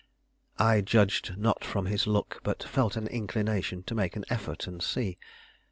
I judged not from his look, but felt an inclination to make an effort and see.